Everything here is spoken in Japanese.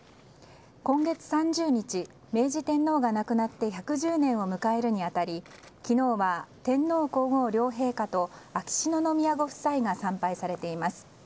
今月３０日明治天皇が亡くなって１１０年を迎えるに当たり昨日は天皇・皇后両陛下と秋篠宮ご夫妻が参拝されています。